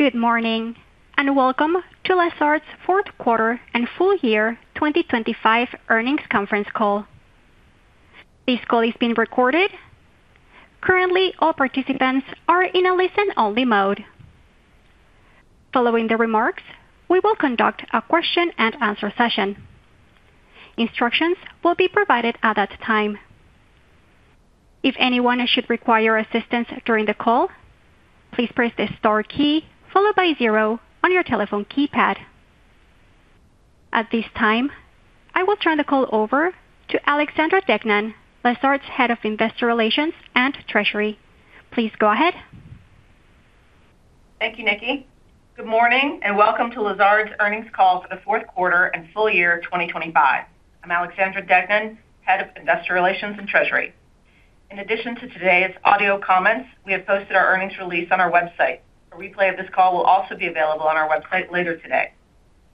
Good morning, and welcome to Lazard's fourth quarter and full year 2025 earnings conference call. This call is being recorded. Currently, all participants are in a listen-only mode. Following the remarks, we will conduct a question-and-answer session. Instructions will be provided at that time. If anyone should require assistance during the call, please press the star key followed by zero on your telephone keypad. At this time, I will turn the call over to Alexandra Deignan, Lazard's Head of Investor Relations and Treasury. Please go ahead. Thank you, Nikki. Good morning, and welcome to Lazard's earnings call for the fourth quarter and full year 2025. I'm Alexandra Deignan, Head of Investor Relations and Treasury. In addition to today's audio comments, we have posted our earnings release on our website. A replay of this call will also be available on our website later today.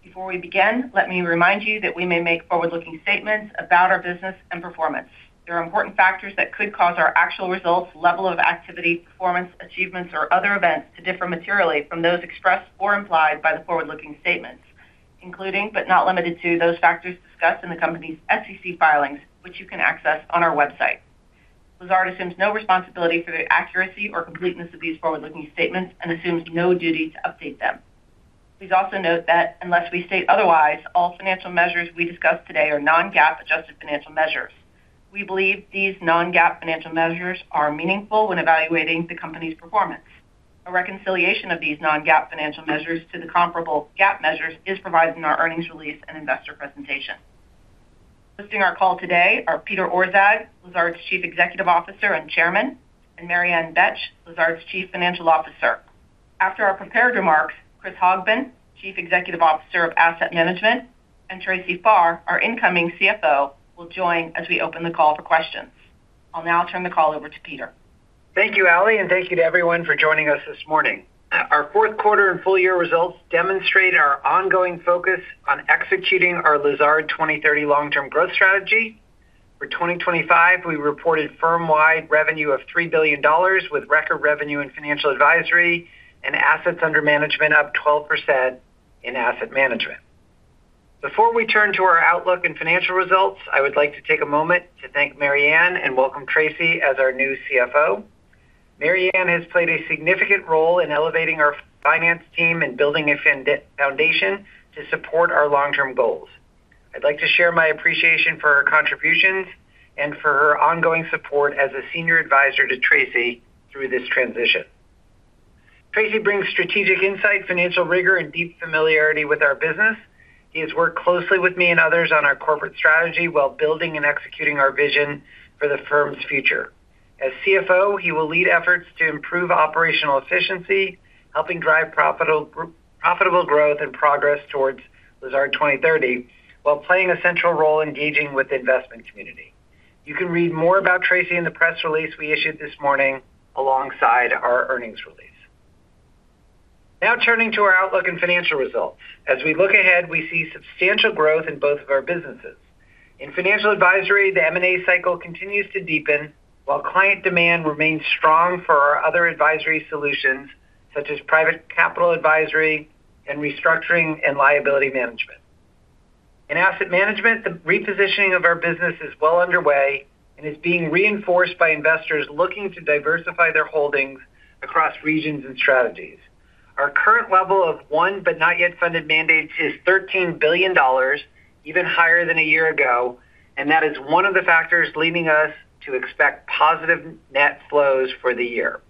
Before we begin, let me remind you that we may make forward-looking statements about our business and performance. There are important factors that could cause our actual results, level of activity, performance, achievements, or other events to differ materially from those expressed or implied by the forward-looking statements, including, but not limited to, those factors discussed in the company's SEC filings, which you can access on our website. Lazard assumes no responsibility for the accuracy or completeness of these forward-looking statements and assumes no duty to update them. Please also note that unless we state otherwise, all financial measures we discuss today are non-GAAP adjusted financial measures. We believe these non-GAAP financial measures are meaningful when evaluating the company's performance. A reconciliation of these non-GAAP financial measures to the comparable GAAP measures is provided in our earnings release and investor presentation. Hosting our call today are Peter Orszag, Lazard's Chief Executive Officer and Chairman, and Mary Ann Betsch, Lazard's Chief Financial Officer. After our prepared remarks, Chris Hogbin, Chief Executive Officer of Asset Management, and Tracy Farr, our incoming CFO, will join as we open the call for questions. I'll now turn the call over to Peter. Thank you, Ally, and thank you to everyone for joining us this morning. Our fourth quarter and full year results demonstrate our ongoing focus on executing our Lazard 2030 long-term growth strategy. For 2025, we reported firm-wide revenue of $3 billion, with record revenue in financial advisory and assets under management up 12% in asset management. Before we turn to our outlook and financial results, I would like to take a moment to thank Mary Ann and welcome Tracy as our new CFO. Mary Ann has played a significant role in elevating our finance team and building a foundation to support our long-term goals. I'd like to share my appreciation for her contributions and for her ongoing support as a senior advisor to Tracy through this transition. Tracy brings strategic insight, financial rigor, and deep familiarity with our business. He has worked closely with me and others on our corporate strategy while building and executing our vision for the firm's future. As CFO, he will lead efforts to improve operational efficiency, helping drive profitable, profitable growth and progress towards Lazard 2030, while playing a central role in engaging with the investment community. You can read more about Tracy in the press release we issued this morning alongside our earnings release. Now, turning to our outlook and financial results. As we look ahead, we see substantial growth in both of our businesses. In financial advisory, the M&A cycle continues to deepen, while client demand remains strong for our other advisory solutions, such as private capital advisory and restructuring and liability management. In asset management, the repositioning of our business is well underway and is being reinforced by investors looking to diversify their holdings across regions and strategies. Our current level of won but not yet funded mandates is $13 billion, even higher than a year ago, and that is one of the factors leading us to expect positive net flows for the year.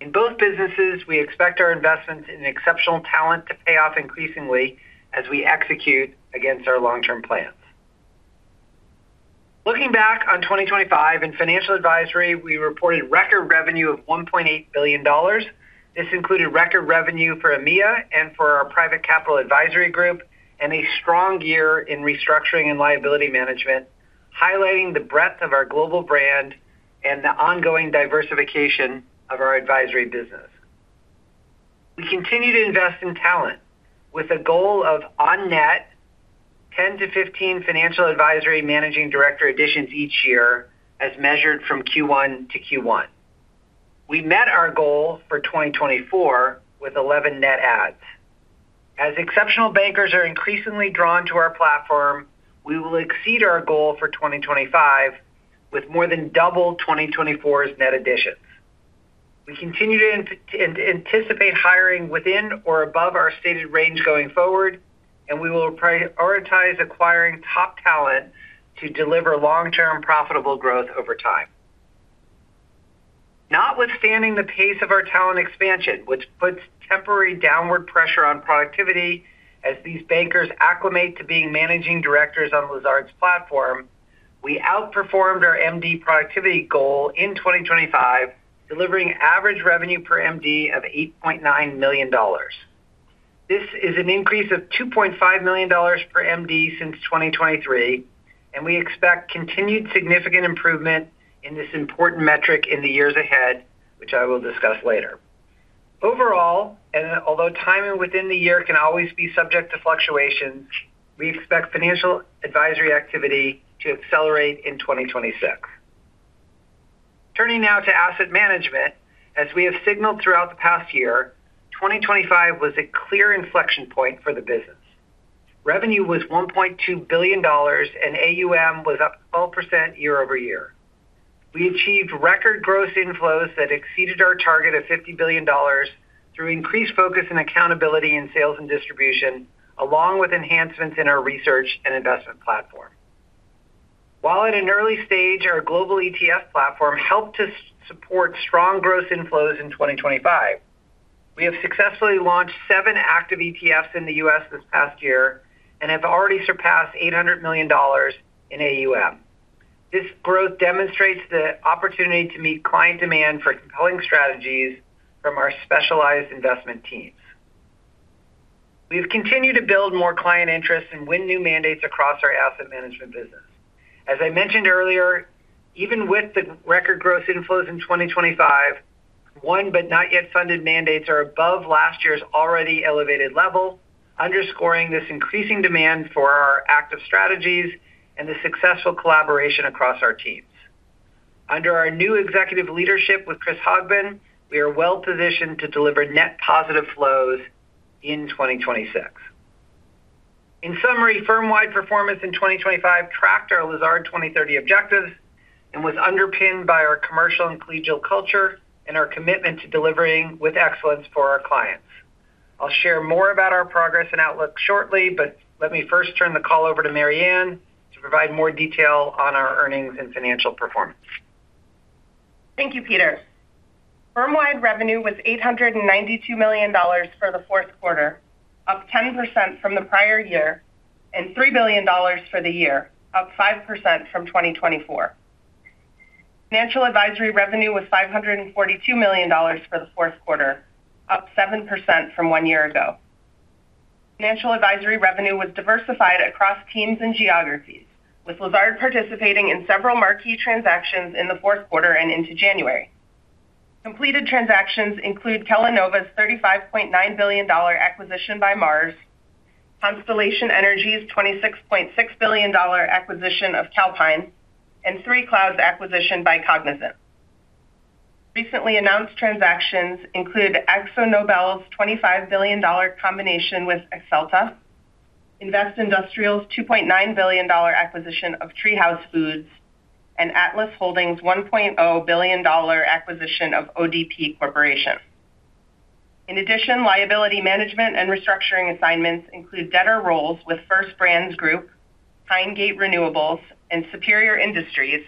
In both businesses, we expect our investments in exceptional talent to pay off increasingly as we execute against our long-term plans. Looking back on 2025, in Financial Advisory, we reported record revenue of $1.8 billion. This included record revenue for EMEA and for our Private Capital Advisory group, and a strong year in restructuring and liability management, highlighting the breadth of our global brand and the ongoing diversification of our advisory business. We continue to invest in talent with a goal of, on net, 10-15 Financial Advisory Managing Director additions each year, as measured from Q1 to Q1. We met our goal for 2024 with 11 net adds. As exceptional bankers are increasingly drawn to our platform, we will exceed our goal for 2025, with more than double 2024's net additions. We continue to anticipate hiring within or above our stated range going forward, and we will prioritize acquiring top talent to deliver long-term profitable growth over time. Notwithstanding the pace of our talent expansion, which puts temporary downward pressure on productivity as these bankers acclimate to being managing directors on Lazard's platform, we outperformed our MD productivity goal in 2025, delivering average revenue per MD of $8.9 million. This is an increase of $2.5 million per MD since 2023, and we expect continued significant improvement in this important metric in the years ahead, which I will discuss later. Overall, although timing within the year can always be subject to fluctuations, we expect financial advisory activity to accelerate in 2026. Turning now to asset management. As we have signaled throughout the past year, 2025 was a clear inflection point for the business. Revenue was $1.2 billion, and AUM was up 12% year-over-year. We achieved record gross inflows that exceeded our target of $50 billion through increased focus and accountability in sales and distribution, along with enhancements in our research and investment platform. While at an early stage, our global ETF platform helped to support strong gross inflows in 2025. We have successfully launched seven active ETFs in the U.S. this past year and have already surpassed $800 million in AUM. This growth demonstrates the opportunity to meet client demand for compelling strategies from our specialized investment teams. We've continued to build more client interest and win new mandates across our Asset Management business. As I mentioned earlier, even with the record gross inflows in 2025, won but not yet funded mandates are above last year's already elevated level, underscoring this increasing demand for our active strategies and the successful collaboration across our teams. Under our new executive leadership with Chris Hogbin, we are well positioned to deliver net positive flows in 2026. In summary, firm-wide performance in 2025 tracked our Lazard 2030 objectives and was underpinned by our commercial and collegial culture and our commitment to delivering with excellence for our clients. I'll share more about our progress and outlook shortly, but let me first turn the call over to Mary Ann to provide more detail on our earnings and financial performance. Thank you, Peter. Firm-wide revenue was $892 million for the fourth quarter, up 10% from the prior year, and $3 billion for the year, up 5% from 2024. Financial advisory revenue was $542 million for the fourth quarter, up 7% from one year ago. Financial advisory revenue was diversified across teams and geographies, with Lazard participating in several marquee transactions in the fourth quarter and into January. Completed transactions include Kellanova's $35.9 billion acquisition by Mars, Constellation Energy's $26.6 billion acquisition of Calpine, and 3Cloud's acquisition by Cognizant. Recently announced transactions include AkzoNobel's $25 billion combination with Axalta, Investindustrial's $2.9 billion acquisition of TreeHouse Foods, and Atlas Holdings' $1 billion acquisition of ODP Corporation. In addition, liability management and restructuring assignments include debtor roles with First Brands Group, Pine Gate Renewables, and Superior Industries,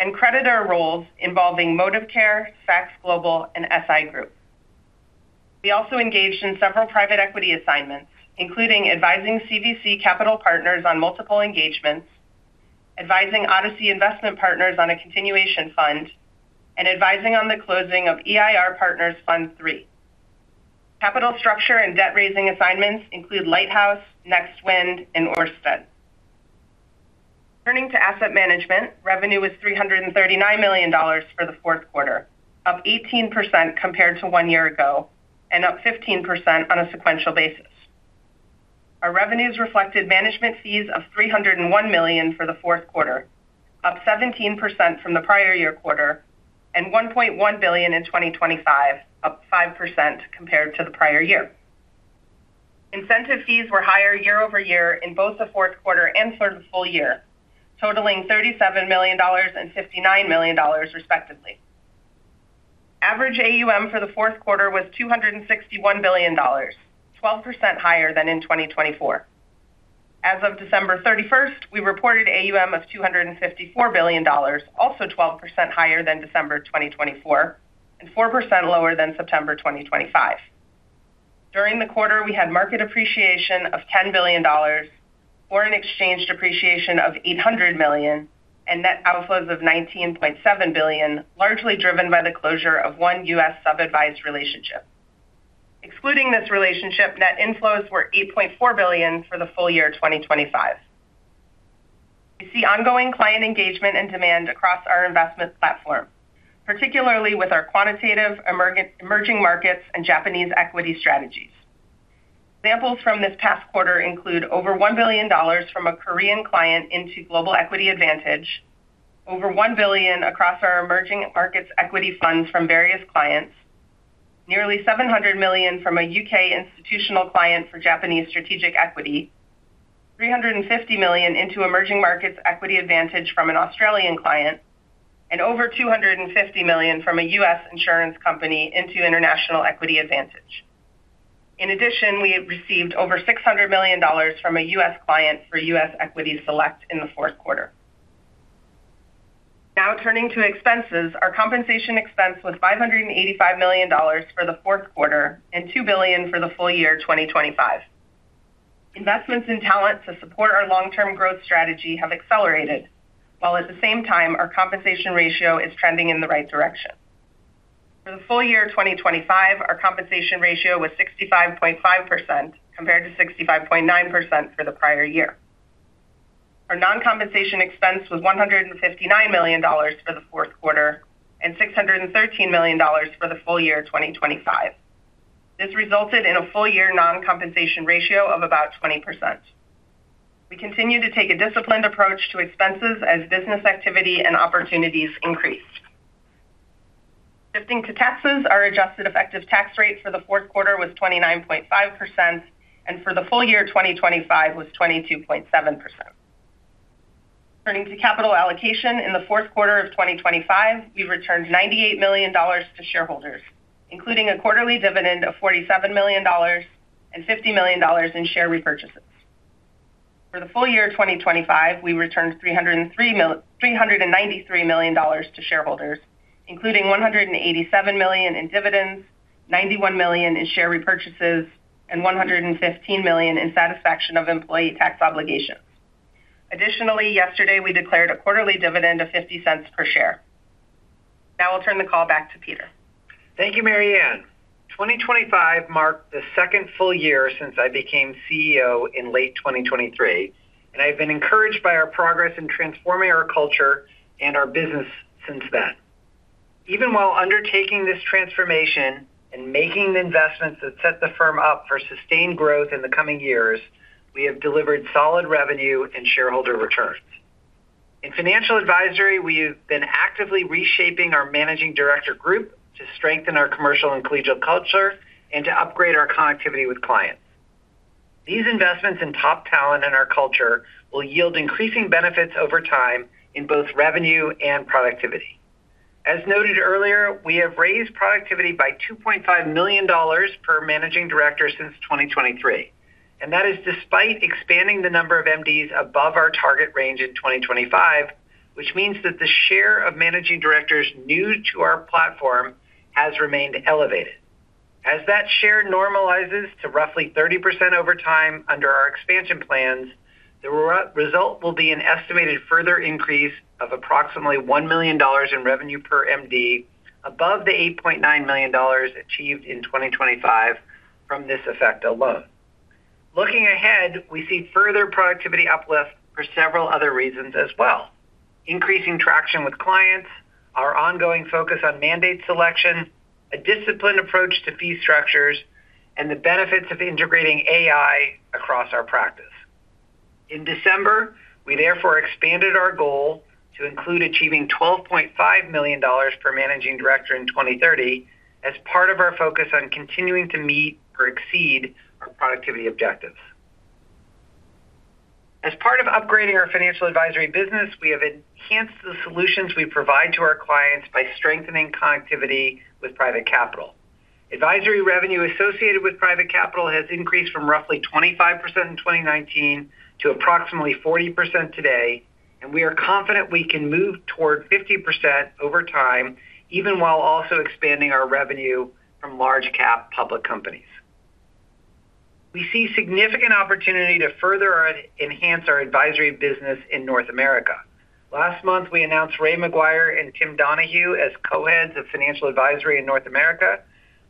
and creditor roles involving Modivcare, Saks Global, and SI Group. We also engaged in several private equity assignments, including advising CVC Capital Partners on multiple engagements, advising Odyssey Investment Partners on a continuation fund, and advising on the closing of Eir Partners Fund III. Capital structure and debt-raising assignments include Lighthouse, NextWind, and Ørsted. Turning to asset management, revenue was $339 million for the fourth quarter, up 18% compared to one year ago and up 15% on a sequential basis. Our revenues reflected management fees of $301 million for the fourth quarter, up 17% from the prior year quarter, and $1.1 billion in 2025, up 5% compared to the prior year. Incentive fees were higher year over year in both the fourth quarter and for the full year, totaling $37 million and $59 million, respectively. Average AUM for the fourth quarter was $261 billion, 12% higher than in 2024. As of December 31st, we reported AUM of $254 billion, also 12% higher than December 2024, and 4% lower than September 2025. During the quarter, we had market appreciation of $10 billion, foreign exchange depreciation of $800 million, and net outflows of $19.7 billion, largely driven by the closure of one US sub-advised relationship. Excluding this relationship, net inflows were $8.4 billion for the full year 2025. We see ongoing client engagement and demand across our investment platform, particularly with our quantitative, emerging markets, and Japanese equity strategies. Examples from this past quarter include over $1 billion from a Korean client into Global Equity Advantage, over $1 billion across our emerging markets equity funds from various clients, nearly $700 million from a UK institutional client for Japanese strategic equity, $350 million into Emerging Markets Equity Advantage from an Australian client, and over $250 million from a US insurance company into International Equity Advantage. In addition, we have received over $600 million from a US client for US Equity Select in the fourth quarter. Now turning to expenses. Our compensation expense was $585 million for the fourth quarter and $2 billion for the full year 2025. Investments in talent to support our long-term growth strategy have accelerated, while at the same time, our compensation ratio is trending in the right direction. For the full year 2025, our compensation ratio was 65.5%, compared to 65.9% for the prior year. Our non-compensation expense was $159 million for the fourth quarter and $613 million for the full year 2025. This resulted in a full-year non-compensation ratio of about 20%.... We continue to take a disciplined approach to expenses as business activity and opportunities increase. Shifting to taxes, our adjusted effective tax rate for the fourth quarter was 29.5%, and for the full year 2025 was 22.7%. Turning to capital allocation, in the fourth quarter of 2025, we returned $98 million to shareholders, including a quarterly dividend of $47 million and $50 million in share repurchases. For the full year 2025, we returned $393 million to shareholders, including $187 million in dividends, $91 million in share repurchases, and $115 million in satisfaction of employee tax obligations. Additionally, yesterday, we declared a quarterly dividend of $0.50 per share. Now I'll turn the call back to Peter. Thank you, Mary Ann. 2025 marked the second full year since I became CEO in late 2023, and I've been encouraged by our progress in transforming our culture and our business since then. Even while undertaking this transformation and making the investments that set the firm up for sustained growth in the coming years, we have delivered solid revenue and shareholder returns. In Financial Advisory, we have been actively reshaping our Managing Director group to strengthen our commercial and collegial culture and to upgrade our connectivity with clients. These investments in top talent and our culture will yield increasing benefits over time in both revenue and productivity. As noted earlier, we have raised productivity by $2.5 million per managing director since 2023, and that is despite expanding the number of MDs above our target range in 2025, which means that the share of managing directors new to our platform has remained elevated. As that share normalizes to roughly 30% over time under our expansion plans, the result will be an estimated further increase of approximately $1 million in revenue per MD above the $8.9 million achieved in 2025 from this effect alone. Looking ahead, we see further productivity uplift for several other reasons as well. Increasing traction with clients, our ongoing focus on mandate selection, a disciplined approach to fee structures, and the benefits of integrating AI across our practice. In December, we therefore expanded our goal to include achieving $12.5 million per managing director in 2030 as part of our focus on continuing to meet or exceed our productivity objectives. As part of upgrading our financial advisory business, we have enhanced the solutions we provide to our clients by strengthening connectivity with private capital. Advisory revenue associated with private capital has increased from roughly 25% in 2019 to approximately 40% today, and we are confident we can move toward 50% over time, even while also expanding our revenue from large cap public companies. We see significant opportunity to further enhance our advisory business in North America. Last month, we announced Ray McGuire and Tim Donahue as Co-Heads of Financial Advisory in North America,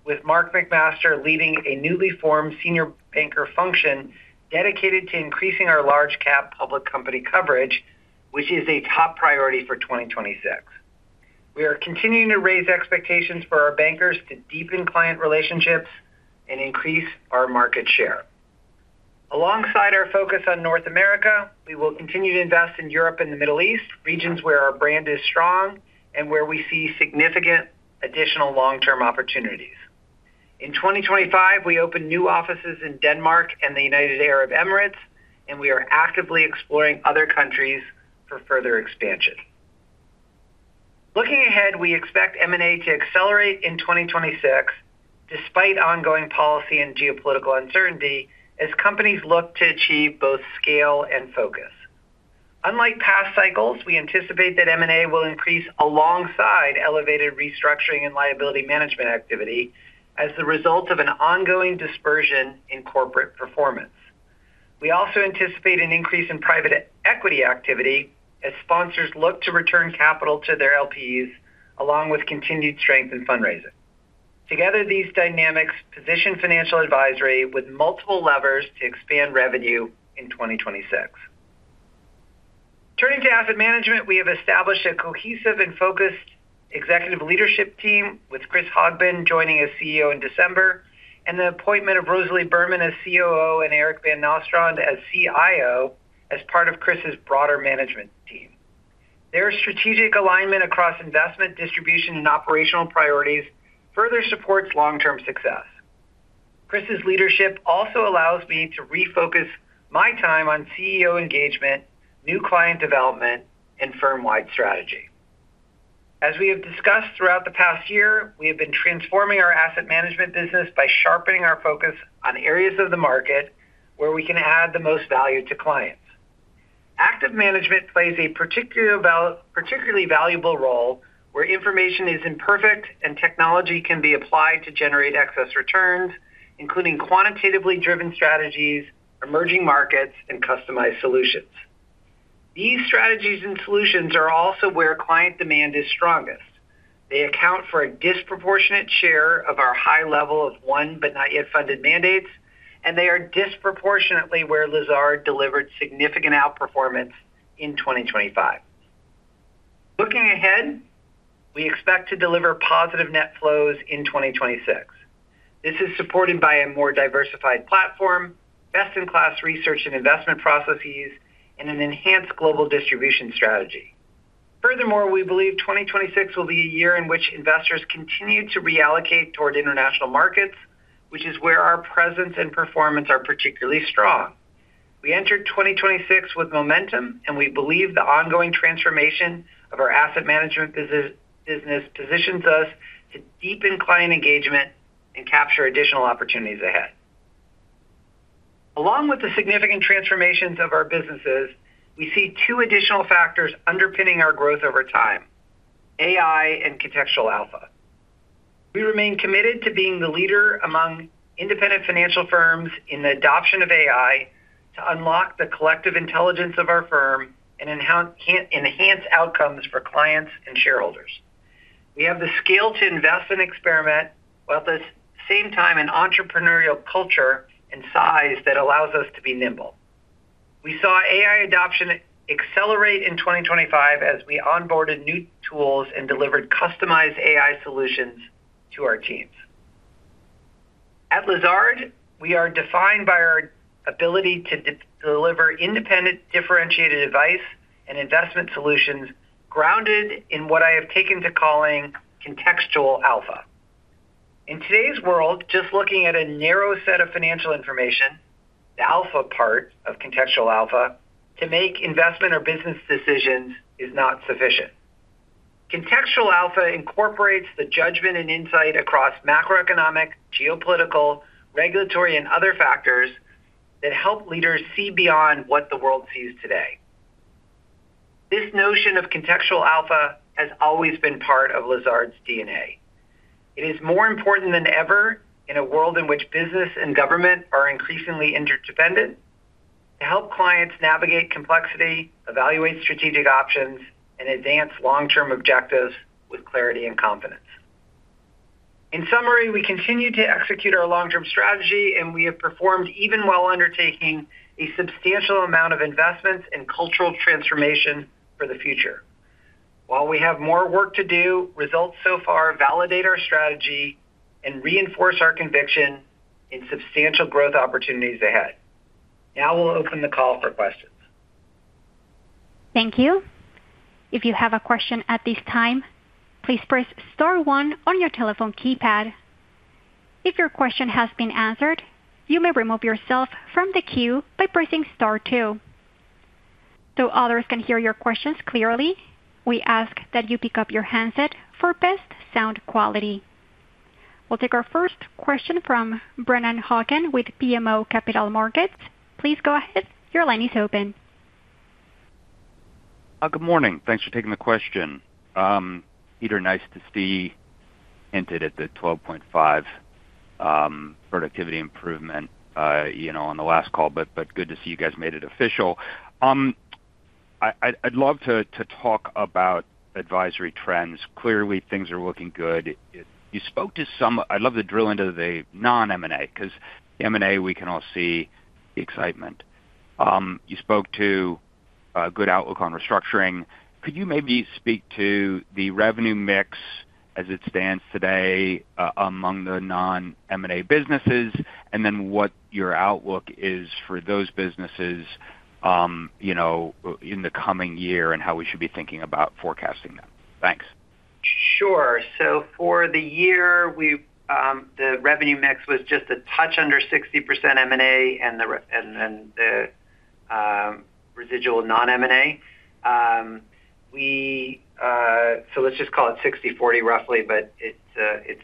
with Mark McMaster leading a newly formed Senior Banker function dedicated to increasing our large cap public company coverage, which is a top priority for 2026. We are continuing to raise expectations for our bankers to deepen client relationships and increase our market share. Alongside our focus on North America, we will continue to invest in Europe and the Middle East, regions where our brand is strong and where we see significant additional long-term opportunities. In 2025, we opened new offices in Denmark and the United Arab Emirates, and we are actively exploring other countries for further expansion. Looking ahead, we expect M&A to accelerate in 2026, despite ongoing policy and geopolitical uncertainty, as companies look to achieve both scale and focus. Unlike past cycles, we anticipate that M&A will increase alongside elevated restructuring and liability management activity as the result of an ongoing dispersion in corporate performance. We also anticipate an increase in private equity activity as sponsors look to return capital to their LPs, along with continued strength in fundraising. Together, these dynamics position financial advisory with multiple levers to expand revenue in 2026. Turning to asset management, we have established a cohesive and focused executive leadership team, with Chris Hogbin joining as CEO in December, and the appointment of Rosalie Berman as COO and Eric Van Nostrand as CIO, as part of Chris's broader management team. Their strategic alignment across investment, distribution, and operational priorities further supports long-term success. Chris's leadership also allows me to refocus my time on CEO engagement, new client development, and firm-wide strategy. As we have discussed throughout the past year, we have been transforming our asset management business by sharpening our focus on areas of the market where we can add the most value to clients. Active management plays a particularly valuable role where information is imperfect and technology can be applied to generate excess returns, including quantitatively driven strategies, emerging markets, and customized solutions. These strategies and solutions are also where client demand is strongest. They account for a disproportionate share of our high level of unfunded mandates, and they are disproportionately where Lazard delivered significant outperformance in 2025. Looking ahead, we expect to deliver positive net flows in 2026. This is supported by a more diversified platform, best-in-class research and investment processes, and an enhanced global distribution strategy. Furthermore, we believe 2026 will be a year in which investors continue to reallocate toward international markets, which is where our presence and performance are particularly strong. We entered 2026 with momentum, and we believe the ongoing transformation of our asset management business positions us to deepen client engagement and capture additional opportunities ahead. Along with the significant transformations of our businesses, we see two additional factors underpinning our growth over time: AI and Contextual Alpha. We remain committed to being the leader among independent financial firms in the adoption of AI to unlock the collective intelligence of our firm and enhance outcomes for clients and shareholders. We have the scale to invest and experiment, while at the same time, an entrepreneurial culture and size that allows us to be nimble. We saw AI adoption accelerate in 2025 as we onboarded new tools and delivered customized AI solutions to our teams. At Lazard, we are defined by our ability to deliver independent, differentiated advice and investment solutions grounded in what I have taken to calling contextual alpha. In today's world, just looking at a narrow set of financial information, the alpha part of contextual alpha, to make investment or business decisions, is not sufficient. Contextual alpha incorporates the judgment and insight across macroeconomic, geopolitical, regulatory, and other factors that help leaders see beyond what the world sees today. This notion of contextual alpha has always been part of Lazard's DNA. It is more important than ever in a world in which business and government are increasingly interdependent, to help clients navigate complexity, evaluate strategic options, and advance long-term objectives with clarity and confidence. In summary, we continue to execute our long-term strategy, and we have performed even while undertaking a substantial amount of investments and cultural transformation for the future. While we have more work to do, results so far validate our strategy and reinforce our conviction in substantial growth opportunities ahead. Now we'll open the call for questions. Thank you. If you have a question at this time, please press star one on your telephone keypad. If your question has been answered, you may remove yourself from the queue by pressing star two. So others can hear your questions clearly, we ask that you pick up your handset for best sound quality. We'll take our first question from Brennan Hawken with BMO Capital Markets. Please go ahead. Your line is open. Good morning. Thanks for taking the question. Peter, nice to see, hinted at the 12.5 productivity improvement, you know, on the last call, but good to see you guys made it official. I'd love to talk about advisory trends. Clearly, things are looking good. You spoke to some... I'd love to drill into the non-M&A, because M&A, we can all see the excitement. You spoke to a good outlook on restructuring. Could you maybe speak to the revenue mix as it stands today, among the non-M&A businesses, and then what your outlook is for those businesses, you know, in the coming year, and how we should be thinking about forecasting that? Thanks. Sure. So for the year, we, the revenue mix was just a touch under 60% M&A and the residual non-M&A. We, so let's just call it 60/40, roughly, but it's, it's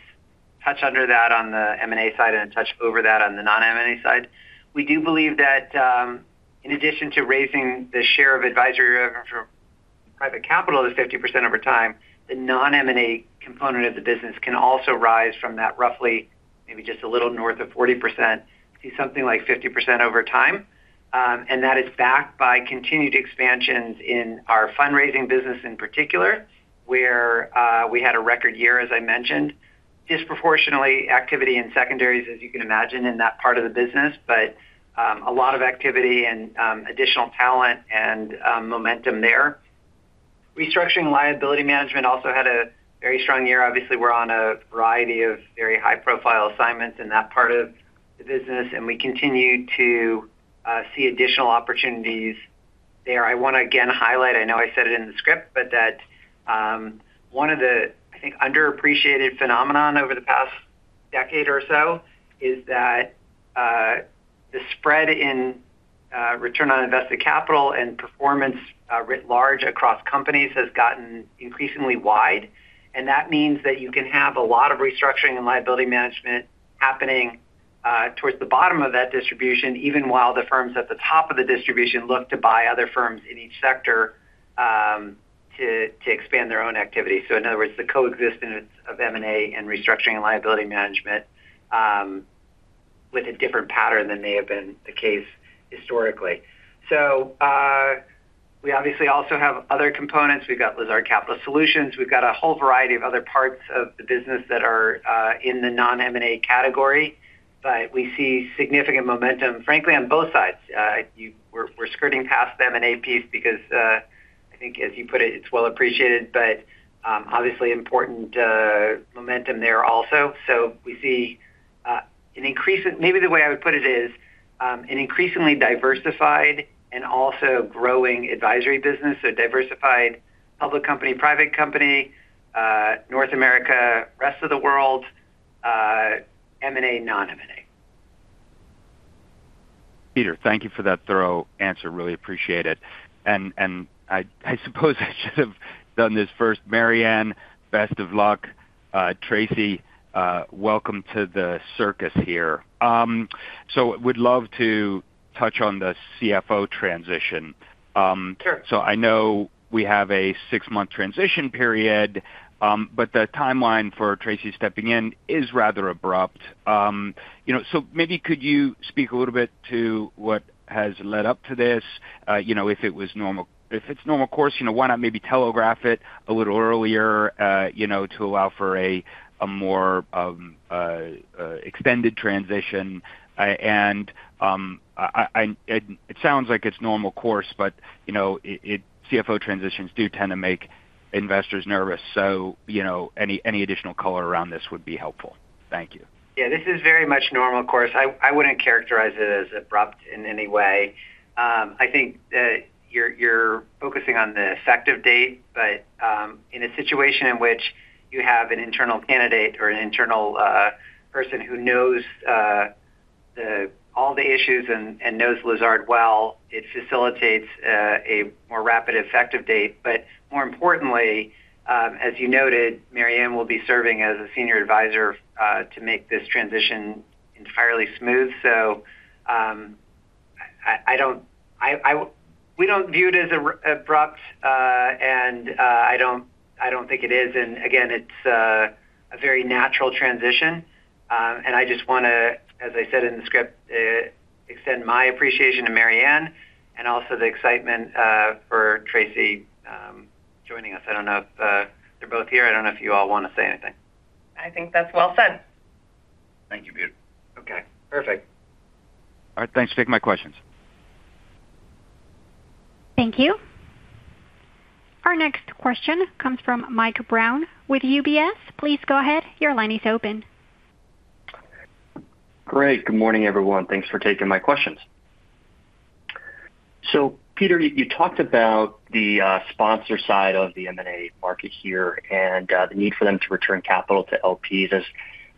a touch under that on the M&A side and a touch over that on the non-M&A side. We do believe that, in addition to raising the share of advisory revenue from private capital to 50% over time, the non-M&A component of the business can also rise from that, roughly, maybe just a little north of 40%, to something like 50% over time. And that is backed by continued expansions in our fundraising business, in particular, where we had a record year, as I mentioned. Disproportionately, activity in secondaries, as you can imagine, in that part of the business, but a lot of activity and additional talent and momentum there. Restructuring and liability management also had a very strong year. Obviously, we're on a variety of very high-profile assignments in that part of the business, and we continue to see additional opportunities there. I want to again highlight, I know I said it in the script, but that one of the, I think, underappreciated phenomenon over the past decade or so is that the spread in return on invested capital and performance writ large across companies has gotten increasingly wide. And that means that you can have a lot of restructuring and liability management happening, towards the bottom of that distribution, even while the firms at the top of the distribution look to buy other firms in each sector, to expand their own activity. So in other words, the coexistence of M&A and restructuring and liability management, with a different pattern than may have been the case historically. So, we obviously also have other components. We've got Lazard Capital Solutions. We've got a whole variety of other parts of the business that are, in the non-M&A category, but we see significant momentum, frankly, on both sides. We're skirting past the M&A piece because I think as you put it, it's well appreciated, but, obviously important, momentum there also. So we see an increase, maybe the way I would put it is an increasingly diversified and also growing advisory business, a diversified public company, private company, North America, rest of the world, M&A, non-M&A. Peter, thank you for that thorough answer. Really appreciate it. I suppose I should have done this first. Mary Ann, best of luck. Tracy, welcome to the circus here. So would love to touch on the CFO transition. Sure. So I know we have a six-month transition period, but the timeline for Tracy stepping in is rather abrupt. You know, so maybe could you speak a little bit to what has led up to this? You know, if it was normal—if it's normal course, you know, why not maybe telegraph it a little earlier, you know, to allow for a more extended transition? It sounds like it's normal course, but, you know, it... CFO transitions do tend to make investors nervous. So, you know, any additional color around this would be helpful. Thank you. Yeah, this is very much normal course. I wouldn't characterize it as abrupt in any way. I think you're focusing on the effective date, but in a situation in which you have an internal candidate or an internal person who knows all the issues and knows Lazard well, it facilitates a more rapid effective date. But more importantly, as you noted, Mary Ann will be serving as a senior advisor to make this transition entirely smooth. So, we don't view it as abrupt, and I don't think it is. And again, it's a very natural transition. And I just want to, as I said in the script, extend my appreciation to Mary Ann and also the excitement for Tracy joining us. I don't know if they're both here. I don't know if you all want to say anything. I think that's well said. Thank you, Peter. Okay, perfect. All right. Thanks for taking my questions. Thank you. Our next question comes from Mike Brown with UBS. Please go ahead. Your line is open. Great. Good morning, everyone. Thanks for taking my questions. So, Peter, you talked about the sponsor side of the M&A market here and the need for them to return capital to LPs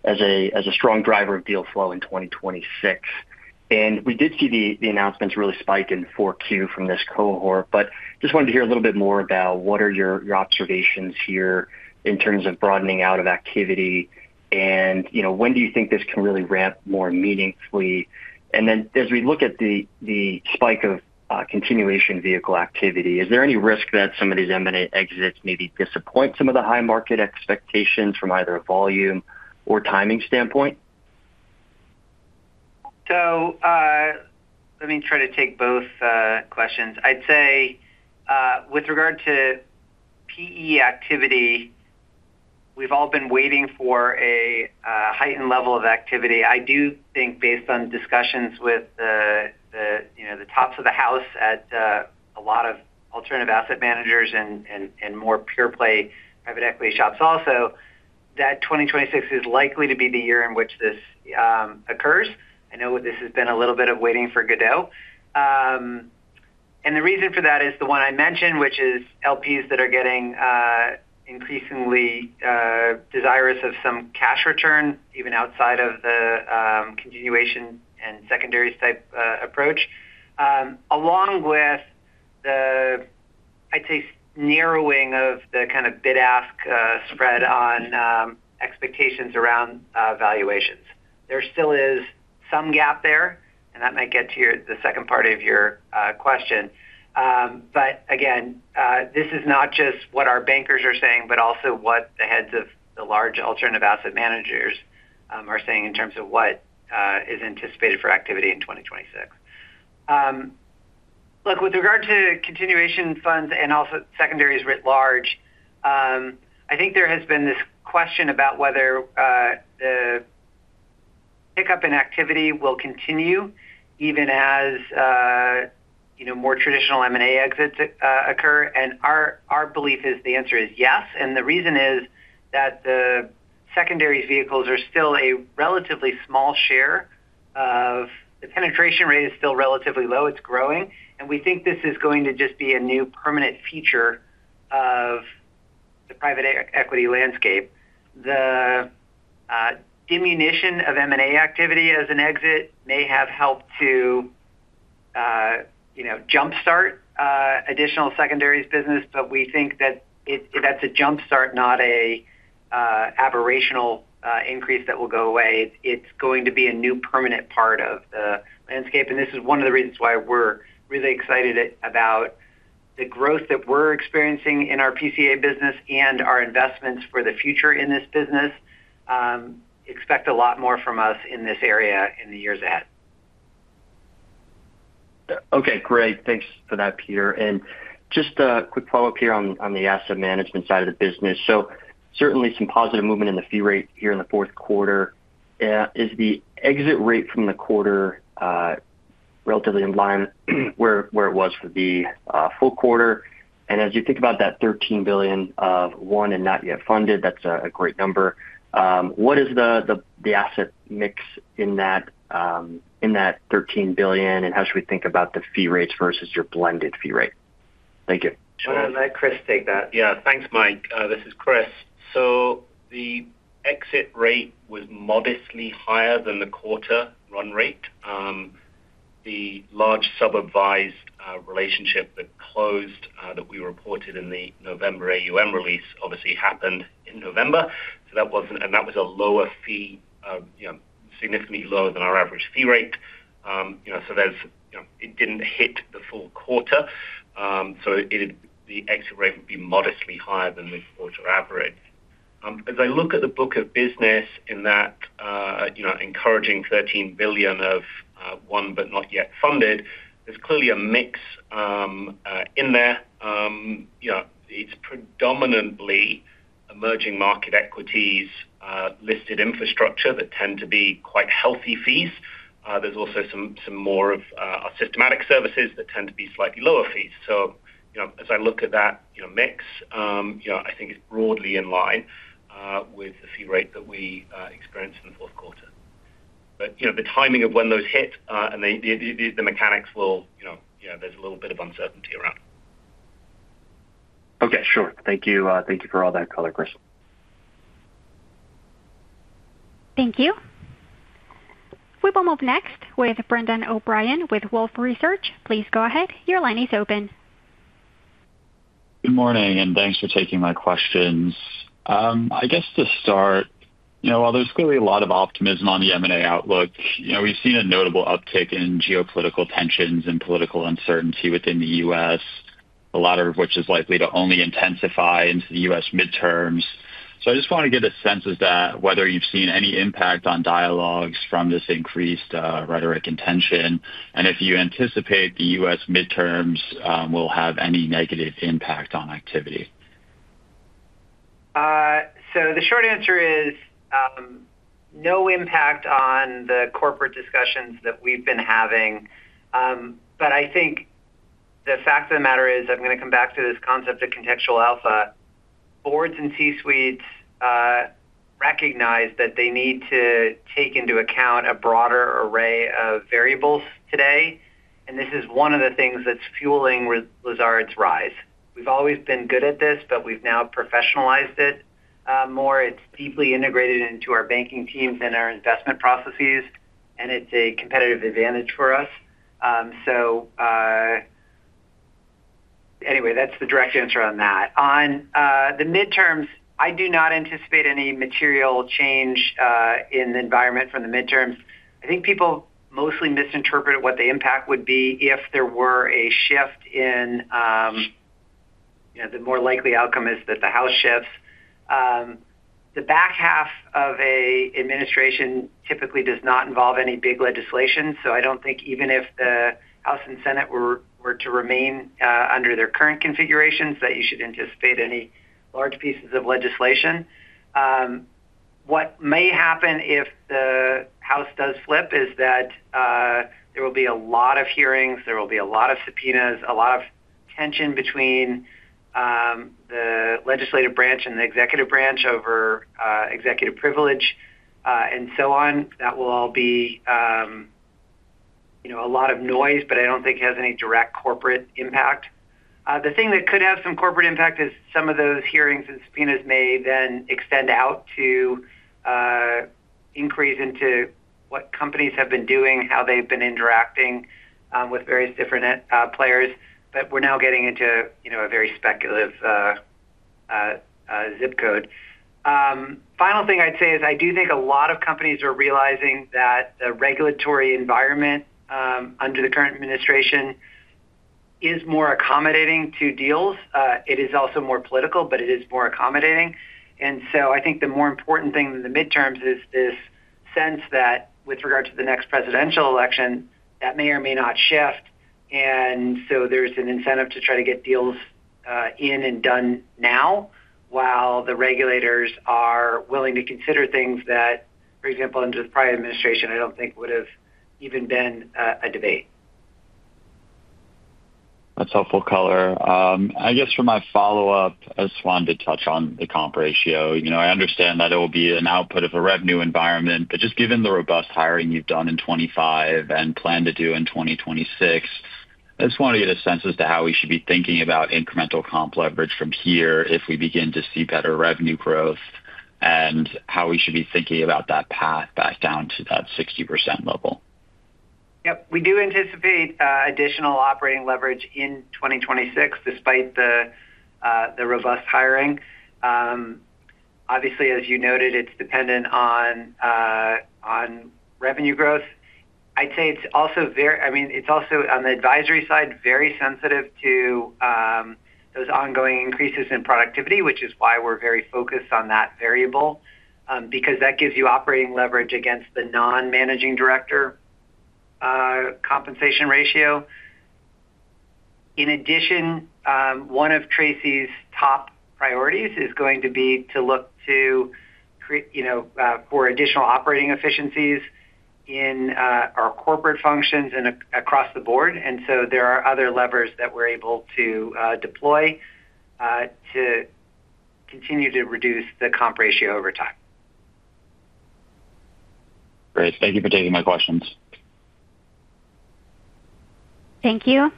as a strong driver of deal flow in 2026. And we did see the announcements really spike in Q4 from this cohort, but just wanted to hear a little bit more about what are your observations here in terms of broadening out of activity, and, you know, when do you think this can really ramp more meaningfully? And then as we look at the spike of continuation vehicle activity, is there any risk that some of these M&A exits maybe disappoint some of the high market expectations from either a volume or timing standpoint? So, let me try to take both questions. I'd say, with regard to PE activity, we've all been waiting for a heightened level of activity. I do think, based on discussions with the, you know, the tops of the house at a lot of alternative asset managers and more pure play private equity shops also, that 2026 is likely to be the year in which this occurs. I know this has been a little bit of Waiting for Godot. And the reason for that is the one I mentioned, which is LPs that are getting increasingly desirous of some cash return, even outside of the continuation and secondary type approach, along with the, I'd say, narrowing of the kind of bid-ask spread on expectations around valuations. There still is some gap there, and that might get to your - the second part of your question. But again, this is not just what our bankers are saying, but also what the heads of the large alternative asset managers are saying in terms of what is anticipated for activity in 2026. Look, with regard to continuation funds and also secondaries writ large, I think there has been this question about whether the pickup in activity will continue even as, you know, more traditional M&A exits occur. And our belief is the answer is yes. And the reason is that the secondary vehicles are still a relatively small share of... The penetration rate is still relatively low. It's growing, and we think this is going to just be a new permanent feature of the private equity landscape. The diminution of M&A activity as an exit may have helped to, you know, jump-start additional secondaries business, but we think that it- that's a jump-start, not a aberrational increase that will go away. It's going to be a new permanent part of the landscape, and this is one of the reasons why we're really excited about the growth that we're experiencing in our PCA business and our investments for the future in this business. Expect a lot more from us in this area in the years ahead. Okay, great. Thanks for that, Peter. And just a quick follow-up here on the asset management side of the business. So certainly some positive movement in the fee rate here in the fourth quarter. Yeah, is the exit rate from the quarter relatively in line where it was for the full quarter? And as you think about that $13 billion of one and not yet funded, that's a great number. What is the asset mix in that $13 billion, and how should we think about the fee rates versus your blended fee rate? Thank you. I'm gonna let Chris take that. Yeah. Thanks, Mike. This is Chris. So the exit rate was modestly higher than the quarter run rate. The large sub-advised relationship that closed that we reported in the November AUM release obviously happened in November. So that wasn't... And that was a lower fee, you know, significantly lower than our average fee rate. You know, so there's, you know, it didn't hit the full quarter. So it, the exit rate would be modestly higher than the quarter average. As I look at the book of business in that, you know, encouraging $13 billion of one but not yet funded, there's clearly a mix in there. You know, it's predominantly emerging market equities, listed infrastructure that tend to be quite healthy fees. There's also some more of our systematic services that tend to be slightly lower fees. So, you know, as I look at that, you know, mix, you know, I think it's broadly in line with the fee rate that we experienced in the fourth quarter. But, you know, the timing of when those hit and the mechanics will, you know, yeah, there's a little bit of uncertainty around. Okay, sure. Thank you. Thank you for all that color, Chris. Thank you. We will move next with Brendan O’Brien with Wolfe Research. Please go ahead. Your line is open. Good morning, and thanks for taking my questions. I guess to start, you know, while there's clearly a lot of optimism on the M&A outlook, you know, we've seen a notable uptick in geopolitical tensions and political uncertainty within the U.S., a lot of which is likely to only intensify into the U.S. midterms. I just want to get a sense of that, whether you've seen any impact on dialogues from this increased rhetoric and tension, and if you anticipate the U.S. midterms will have any negative impact on activity. So the short answer is, no impact on the corporate discussions that we've been having. But I think the fact of the matter is, I'm gonna come back to this concept of Contextual Alpha. Boards and C-suites recognize that they need to take into account a broader array of variables today, and this is one of the things that's fueling Lazard's rise. We've always been good at this, but we've now professionalized it more. It's deeply integrated into our banking teams and our investment processes, and it's a competitive advantage for us. So, anyway, that's the direct answer on that. On the midterms, I do not anticipate any material change in the environment from the midterms. I think people mostly misinterpreted what the impact would be if there were a shift in, you know, the more likely outcome is that the House shifts. The back half of an administration typically does not involve any big legislation, so I don't think even if the House and Senate were to remain under their current configurations, that you should anticipate any large pieces of legislation. What may happen if the House does flip is that there will be a lot of hearings, there will be a lot of subpoenas, a lot of tension between the legislative branch and the executive branch over executive privilege, and so on. That will all be, you know, a lot of noise, but I don't think it has any direct corporate impact. The thing that could have some corporate impact is some of those hearings and subpoenas may then extend out to increase into what companies have been doing, how they've been interacting with various different players, but we're now getting into, you know, a very speculative zip code. Final thing I'd say is I do think a lot of companies are realizing that the regulatory environment under the current administration is more accommodating to deals. It is also more political, but it is more accommodating. And so I think the more important thing than the midterms is this sense that with regard to the next presidential election, that may or may not shift, and so there's an incentive to try to get deals in and done now while the regulators are willing to consider things that, for example, under the prior administration, I don't think would have even been a debate. That's helpful color. I guess for my follow-up, I just wanted to touch on the comp ratio. You know, I understand that it will be an output of a revenue environment, but just given the robust hiring you've done in 2025 and plan to do in 2026, I just want to get a sense as to how we should be thinking about incremental comp leverage from here if we begin to see better revenue growth, and how we should be thinking about that path back down to that 60% level. Yep. We do anticipate additional operating leverage in 2026, despite the robust hiring. Obviously, as you noted, it's dependent on revenue growth. I'd say it's also very—I mean, it's also, on the advisory side, very sensitive to those ongoing increases in productivity, which is why we're very focused on that variable, because that gives you operating leverage against the non-Managing Director compensation ratio. In addition, one of Tracy's top priorities is going to be to look to create, you know, for additional operating efficiencies in our corporate functions and across the board. And so there are other levers that we're able to deploy to continue to reduce the comp ratio over time. Great. Thank you for taking my questions. Thank you.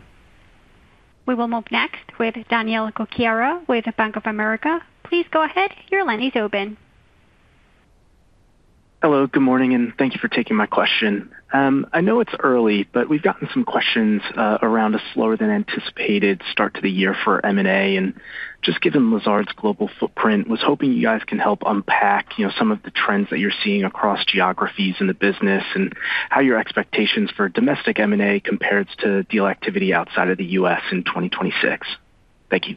We will move next with Daniel Cocchiara with Bank of America. Please go ahead. Your line is open. Hello, good morning, and thank you for taking my question. I know it's early, but we've gotten some questions around a slower than anticipated start to the year for M&A, and just given Lazard's global footprint, was hoping you guys can help unpack, you know, some of the trends that you're seeing across geographies in the business, and how your expectations for domestic M&A compares to deal activity outside of the U.S. in 2026. Thank you.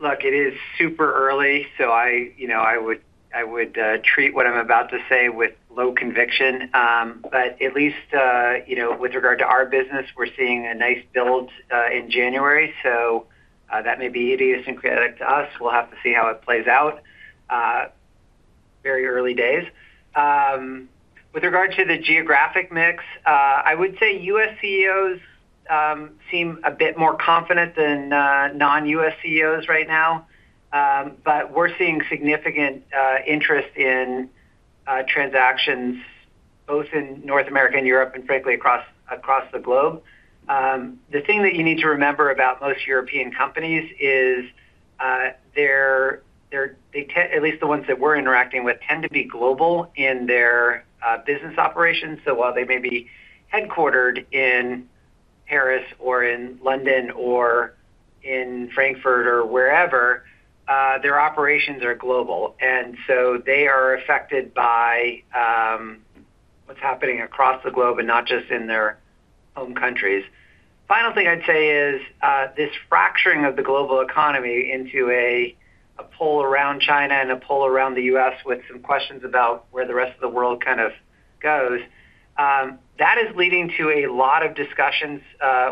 Look, it is super early, so I, you know, I would, I would, treat what I'm about to say with low conviction. But at least, you know, with regard to our business, we're seeing a nice build, in January, so, that may be idiosyncratic to us. We'll have to see how it plays out. Very early days. With regard to the geographic mix, I would say US CEOs, seem a bit more confident than, non-US CEOs right now. But we're seeing significant, interest in, transactions both in North America and Europe, and frankly, across, across the globe. The thing that you need to remember about most European companies is, they're, they're – they te – at least the ones that we're interacting with, tend to be global in their, business operations. So while they may be headquartered in Paris or in London or in Frankfurt or wherever, their operations are global, and so they are affected by what's happening across the globe and not just in their home countries. Final thing I'd say is this fracturing of the global economy into a pole around China and a pole around the U.S. with some questions about where the rest of the world kind of goes, that is leading to a lot of discussions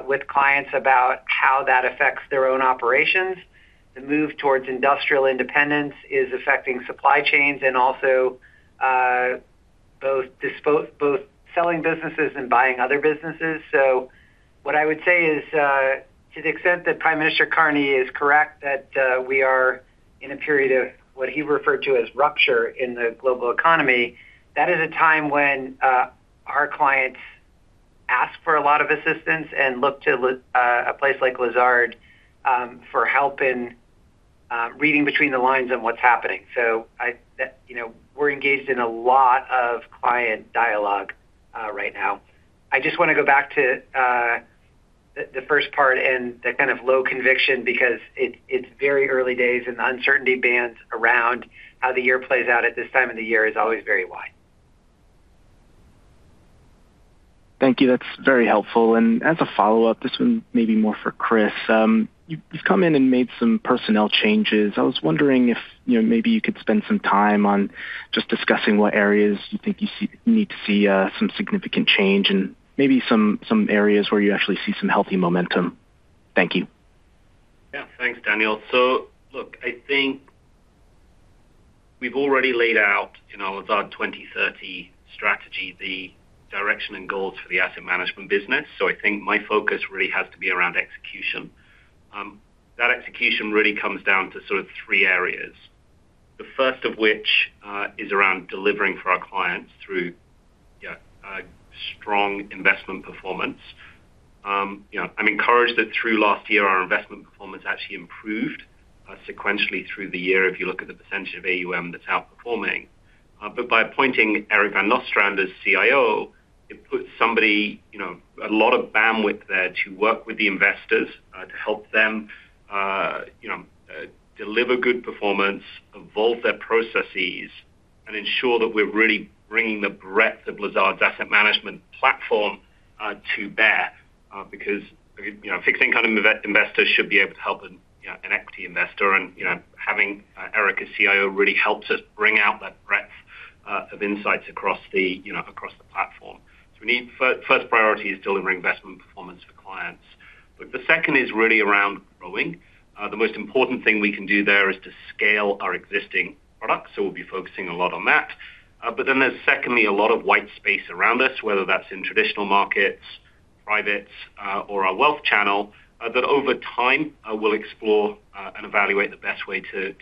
with clients about how that affects their own operations. The move towards industrial independence is affecting supply chains and also both selling businesses and buying other businesses. So what I would say is, to the extent that Prime Minister Carney is correct, that we are in a period of what he referred to as rupture in the global economy, that is a time when our clients ask for a lot of assistance and look to a place like Lazard for help in reading between the lines on what's happening. So I, you know, we're engaged in a lot of client dialogue right now. I just want to go back to the first part and the kind of low conviction, because it's very early days, and the uncertainty bands around how the year plays out at this time of the year is always very wide. Thank you. That's very helpful. And as a follow-up, this one may be more for Chris. You've come in and made some personnel changes. I was wondering if, you know, maybe you could spend some time on just discussing what areas you think you see need to see some significant change, and maybe some areas where you actually see some healthy momentum. Thank you. Yeah, thanks, Daniel. So look, I think we've already laid out in our Lazard 2030 strategy, the direction and goals for the Asset Management business. So I think my focus really has to be around execution. That execution really comes down to sort of three areas, the first of which is around delivering for our clients through, yeah, a strong investment performance. You know, I'm encouraged that through last year, our investment performance actually improved sequentially through the year, if you look at the percentage of AUM that's outperforming. But by appointing Eric Van Nostrand as CIO, it puts somebody, you know, a lot of bandwidth there to work with the investors to help them you know deliver good performance, evolve their processes, and ensure that we're really bringing the breadth of Lazard's Asset Management platform to bear. Because, you know, a fixed income investor should be able to help an, you know, an equity investor, and, you know, having Eric as CIO really helps us bring out that breadth of insights across the, you know, across the platform. So we need... First priority is delivering investment performance for clients, but the second is really around growing. The most important thing we can do there is to scale our existing products, so we'll be focusing a lot on that. But then there's secondly, a lot of white space around us, whether that's in traditional markets, privates, or our wealth channel, that over time we'll explore and evaluate the best way to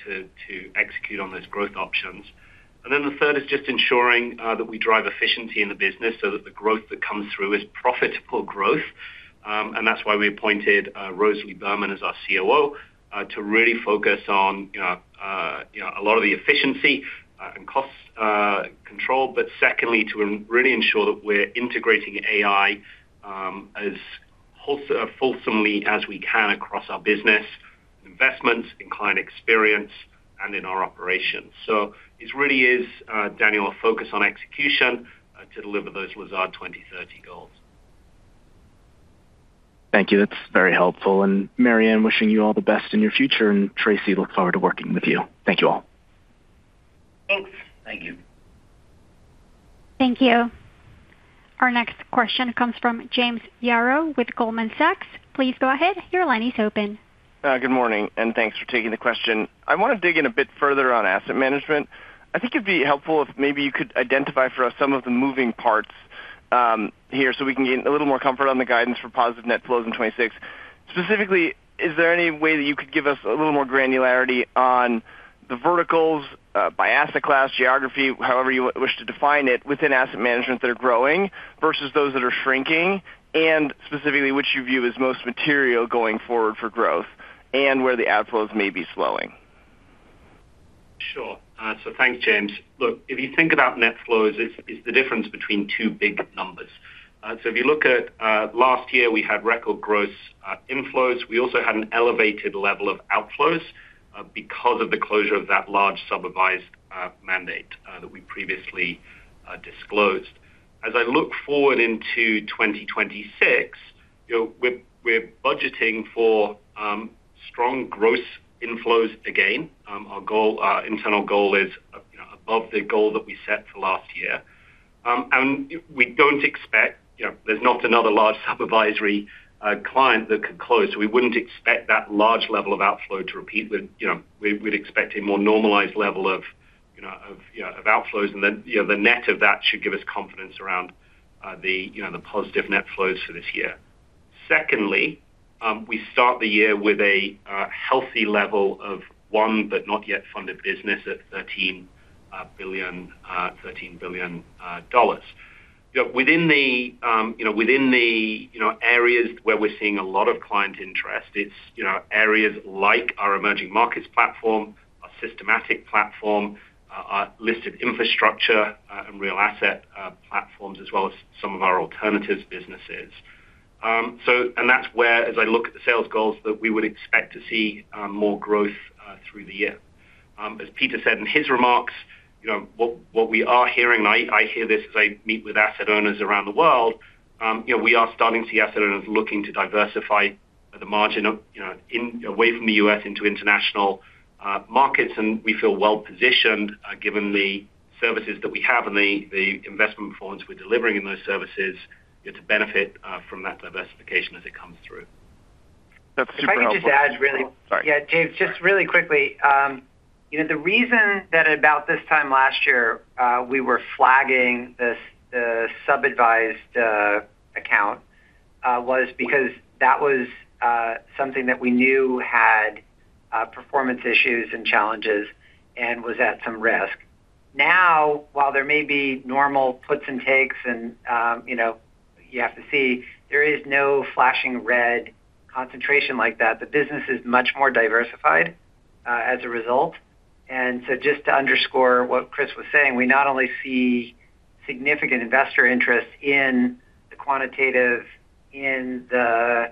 execute on those growth options. And then the third is just ensuring that we drive efficiency in the business so that the growth that comes through is profitable growth. And that's why we appointed Rosalie Berman as our COO to really focus on, you know, you know, a lot of the efficiency and cost control, but secondly, to really ensure that we're integrating AI as wholesomely as we can across our business, in investments, in client experience, and in our operations. So this really is, Daniel, a focus on execution to deliver those Lazard 2030 goals. Thank you. That's very helpful. And Mary Ann, wishing you all the best in your future, and Tracy, look forward to working with you. Thank you all.... Thanks. Thank you. Thank you. Our next question comes from James Yaro with Goldman Sachs. Please go ahead. Your line is open. Good morning, and thanks for taking the question. I want to dig in a bit further on Asset Management. I think it'd be helpful if maybe you could identify for us some of the moving parts, here, so we can gain a little more comfort on the guidance for positive Net Flows in 2026. Specifically, is there any way that you could give us a little more granularity on the verticals, by asset class, geography, however you wish to define it, within Asset Management that are growing versus those that are shrinking, and specifically, which you view as most material going forward for growth, and where the outflows may be slowing? Sure. So thanks, James. Look, if you think about net flows, it's the difference between two big numbers. So if you look at last year, we had record gross inflows. We also had an elevated level of outflows because of the closure of that large sub-advised mandate that we previously disclosed. As I look forward into 2026, you know, we're budgeting for strong gross inflows again. Our goal, our internal goal is, you know, above the goal that we set for last year. And we don't expect, you know, there's not another large sub-advised client that could close. We wouldn't expect that large level of outflow to repeat. But you know, we'd expect a more normalized level of, you know, of outflows, and then, you know, the net of that should give us confidence around the positive net flows for this year. Secondly, we start the year with a healthy level of unfunded but not yet funded business at $13 billion. You know, within the areas where we're seeing a lot of client interest, it's areas like our emerging markets platform, our systematic platform, our listed infrastructure and real asset platforms, as well as some of our alternatives businesses. And that's where, as I look at the sales goals, that we would expect to see more growth through the year. As Peter said in his remarks, you know, what we are hearing, I hear this as I meet with asset owners around the world, you know, we are starting to see asset owners looking to diversify away from the U.S. into international markets, and we feel well positioned, given the services that we have and the investment performance we're delivering in those services. It's a benefit from that diversification as it comes through. That's super helpful. If I can just add really- Sorry. Yeah, James, just really quickly, you know, the reason that about this time last year, we were flagging this, the sub-advised, account, was because that was, something that we knew had, performance issues and challenges and was at some risk. Now, while there may be normal puts and takes and, you know, you have to see, there is no flashing red concentration like that. The business is much more diversified, as a result. And so just to underscore what Chris was saying, we not only see significant investor interest in the quantitative, in the,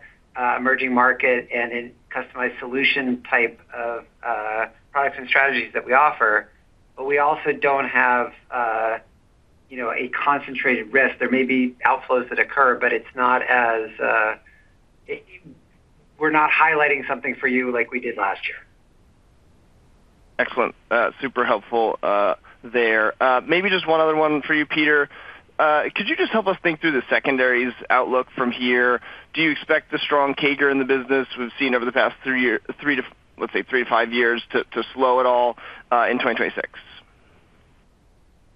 emerging market and in customized solution type of, products and strategies that we offer, but we also don't have, you know, a concentrated risk. There may be outflows that occur, but it's not as... We're not highlighting something for you like we did last year. Excellent. Super helpful, there. Maybe just one other one for you, Peter. Could you just help us think through the secondaries outlook from here? Do you expect the strong CAGR in the business we've seen over the past three years, three to, let's say, three to five years, to, to slow at all, in 2026?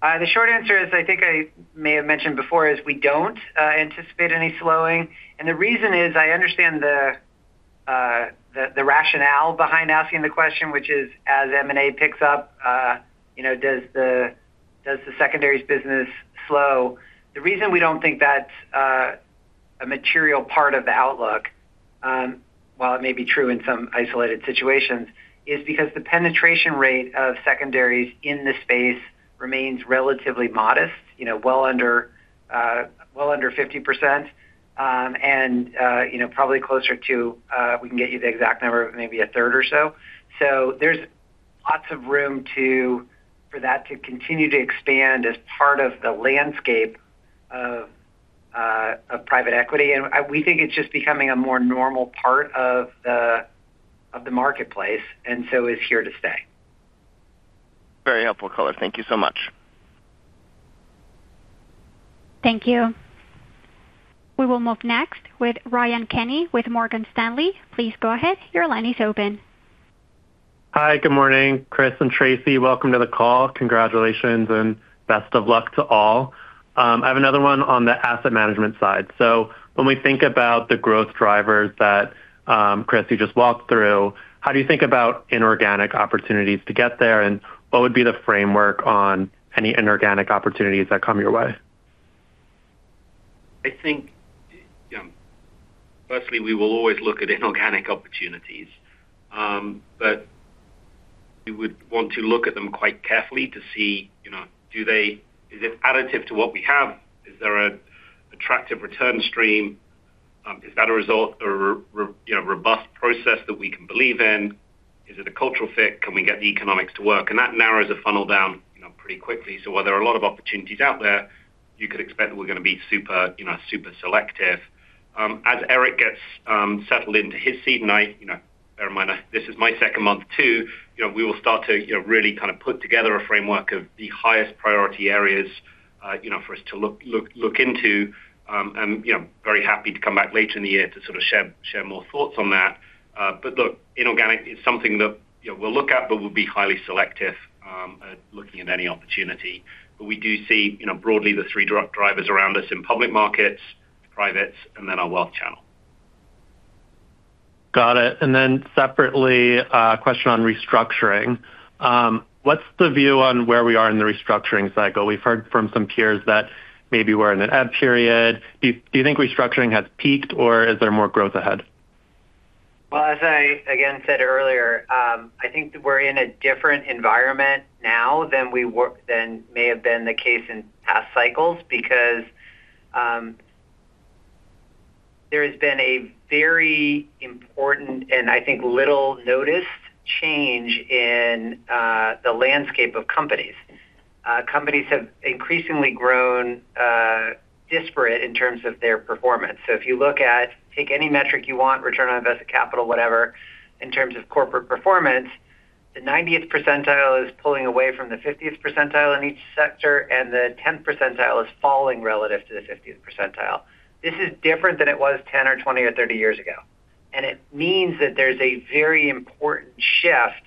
The short answer is, I think I may have mentioned before, is we don't anticipate any slowing. And the reason is, I understand the rationale behind asking the question, which is, as M&A picks up, you know, does the secondaries business slow? The reason we don't think that's a material part of the outlook, while it may be true in some isolated situations, is because the penetration rate of secondaries in this space remains relatively modest, you know, well under 50%, and, you know, probably closer to, we can get you the exact number, maybe a third or so. So there's lots of room for that to continue to expand as part of the landscape of private equity, and we think it's just becoming a more normal part of the marketplace, and so is here to stay. Very helpful color. Thank you so much. Thank you. We will move next with Ryan Kenny, with Morgan Stanley. Please go ahead. Your line is open. Hi, good morning, Chris and Tracy. Welcome to the call. Congratulations and best of luck to all. I have another one on the Asset Management side. So when we think about the growth drivers that, Chris, you just walked through, how do you think about inorganic opportunities to get there, and what would be the framework on any inorganic opportunities that come your way? I think, you know, firstly, we will always look at inorganic opportunities, but we would want to look at them quite carefully to see, you know, is it additive to what we have? Is there an attractive return stream? Is that a result or a, you know, robust process that we can believe in? Is it a cultural fit? Can we get the economics to work? And that narrows the funnel down, you know, pretty quickly. So while there are a lot of opportunities out there, you could expect that we're going to be super, you know, super selective.... as Eric gets settled into his seat, and I, you know, bear in mind, this is my second month, too, you know, we will start to, you know, really kind of put together a framework of the highest priority areas, you know, for us to look into. And, you know, very happy to come back later in the year to sort of share more thoughts on that. But look, inorganic is something that, you know, we'll look at, but we'll be highly selective at looking at any opportunity. But we do see, you know, broadly, the three drivers around us in public markets, privates, and then our wealth channel. Got it. Separately, a question on restructuring. What's the view on where we are in the restructuring cycle? We've heard from some peers that maybe we're in an ebb period. Do you think restructuring has peaked, or is there more growth ahead? Well, as I again said earlier, I think that we're in a different environment now than we were than may have been the case in past cycles, because there has been a very important, and I think, little-noticed change in the landscape of companies. Companies have increasingly grown disparate in terms of their performance. So if you look at... Take any metric you want, return on invested capital, whatever, in terms of corporate performance, the ninetieth percentile is pulling away from the fiftieth percentile in each sector, and the tenth percentile is falling relative to the fiftieth percentile. This is different than it was 10 or 20 or 30 years ago, and it means that there's a very important shift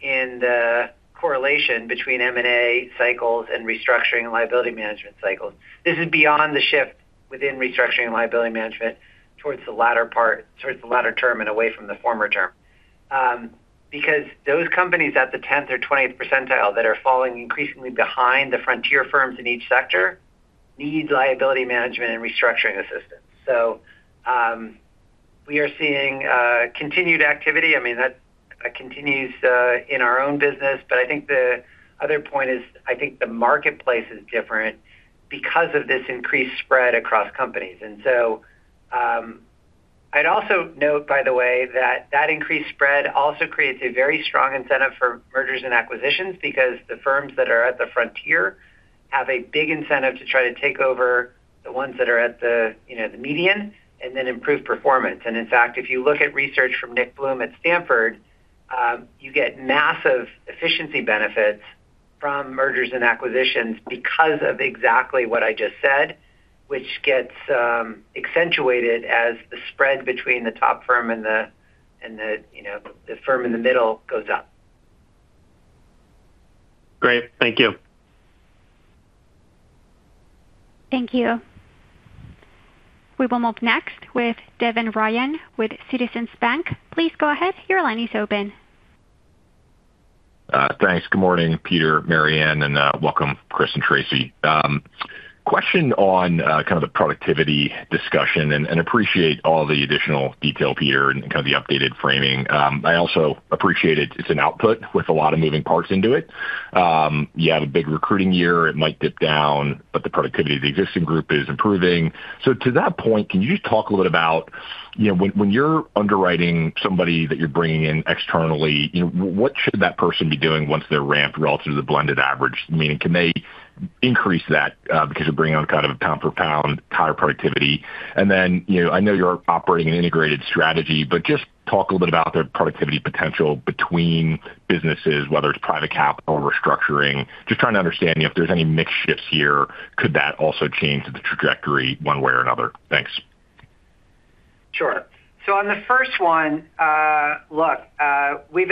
in the correlation between M&A cycles and restructuring and liability management cycles. This is beyond the shift within restructuring and liability management towards the latter term and away from the former term. Because those companies at the tenth or twentieth percentile that are falling increasingly behind the frontier firms in each sector need liability management and restructuring assistance. So, we are seeing continued activity. I mean, that continues in our own business. But I think the other point is, I think the marketplace is different because of this increased spread across companies. And so, I'd also note, by the way, that that increased spread also creates a very strong incentive for mergers and acquisitions, because the firms that are at the frontier have a big incentive to try to take over the ones that are at the, you know, the median and then improve performance. In fact, if you look at research from Nick Bloom at Stanford, you get massive efficiency benefits from mergers and acquisitions because of exactly what I just said, which gets accentuated as the spread between the top firm and the you know the firm in the middle goes up. Great. Thank you. Thank you. We will move next with Devin Ryan with Citizens Bank. Please go ahead. Your line is open. Thanks. Good morning, Peter, Mary Ann, and welcome, Chris and Tracy. Question on kind of the productivity discussion, and appreciate all the additional detail, Peter, and kind of the updated framing. I also appreciate it. It's an output with a lot of moving parts into it. You have a big recruiting year, it might dip down, but the productivity of the existing group is improving. So to that point, can you just talk a little bit about, you know, when you're underwriting somebody that you're bringing in externally, you know, what should that person be doing once they're ramped relative to the blended average? I mean, can they increase that because of bringing on kind of a pound-for-pound higher productivity? And then, you know, I know you're operating an integrated strategy, but just talk a little bit about the productivity potential between businesses, whether it's private capital or restructuring. Just trying to understand, you know, if there's any mix shifts here, could that also change the trajectory one way or another? Thanks. Sure. So on the first one, look, we've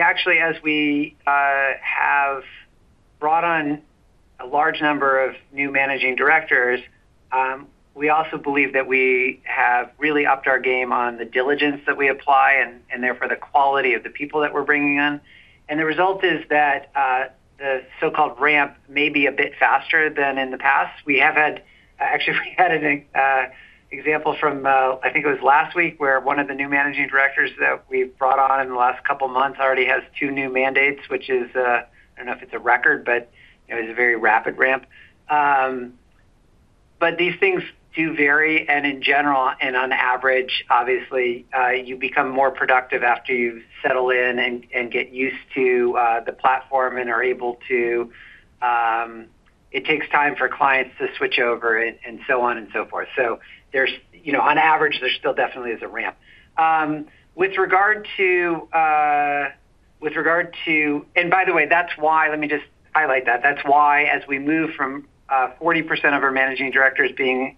actually, as we have brought on a large number of new managing directors, we also believe that we have really upped our game on the diligence that we apply, and therefore, the quality of the people that we're bringing in. And the result is that, the so-called ramp may be a bit faster than in the past. We have had. Actually, we had an example from, I think it was last week, where one of the new managing directors that we've brought on in the last couple of months already has two new mandates, which is, I don't know if it's a record, but, you know, it's a very rapid ramp. But these things do vary, and in general, and on average, obviously, you become more productive after you settle in and get used to the platform and are able to... It takes time for clients to switch over and so on and so forth. So there's, you know, on average, there still definitely is a ramp. And by the way, that's why, let me just highlight that. That's why as we move from 40% of our managing directors being